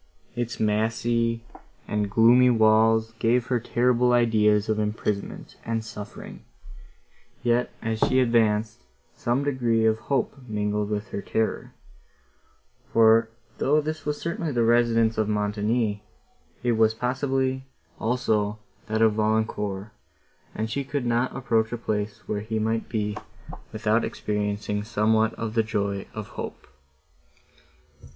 Its massy and gloomy walls gave her terrible ideas of imprisonment and suffering: yet, as she advanced, some degree of hope mingled with her terror; for, though this was certainly the residence of Montoni, it was possibly, also, that of Valancourt, and she could not approach a place, where he might be, without experiencing somewhat of the joy of hope.